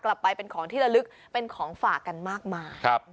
กลับไปเป็นของที่ละลึกเป็นของฝากกันมากมาย